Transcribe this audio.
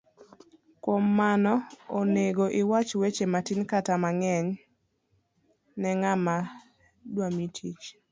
Kuom mano, okonego iwach weche matin kata mang'eny ne ng'ama dwami tich.